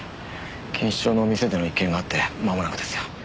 錦糸町の店での一件があってまもなくですよ。